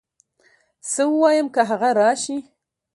څه ووايم که هغه راشي